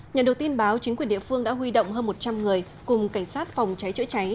nhận được tin báo chính quyền địa phương đã huy động hơn một trăm linh người cùng cảnh sát phòng cháy chữa cháy